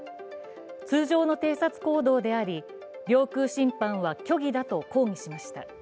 通常の偵察行動であり、領空侵犯は虚偽だと抗議しました。